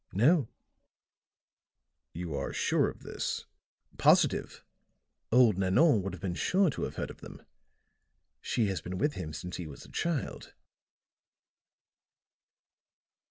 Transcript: "No." "You are sure of this?" "Positive. Old Nanon would have been sure to have heard of them. She has been with him since he was a child."